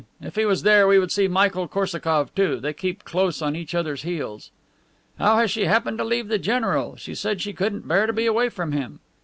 If he was there we would see Michael Korsakoff too. They keep close on each other's heels." "How has she happened to leave the general? She said she couldn't bear to be away from him."